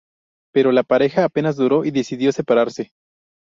Pero la pareja apenas duro y decidió separarse.